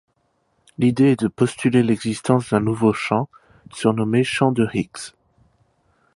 L'idée est de postuler l'existence d'un nouveau champ, surnommé champ de Higgs.